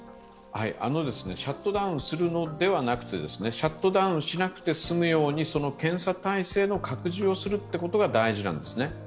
シャットダウンするのではなくて、シャットダウンしなくて済むようにその検査体制の拡充をするということが大事なんですね。